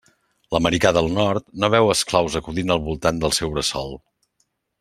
L'americà del Nord no veu esclaus acudint al voltant del seu bressol.